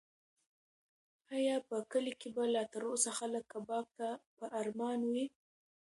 ایا په کلي کې به لا تر اوسه خلک کباب ته په ارمان وي؟